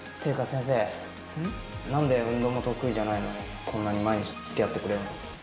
先生何で運動も得意じゃないのにこんなに毎日つきあってくれるの？